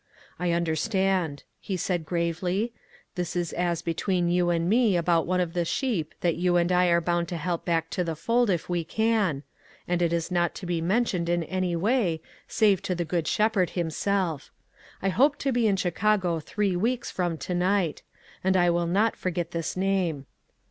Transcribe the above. " I understand," he said gravely ;" this is as between you and me about one of the sheep that you and I are bound to help back to the fold if we can. And it is not to be mentioned in any way save to the Good Shepherd himself. I hope to be in Chicago three weeks from to night, and I will not forget this name.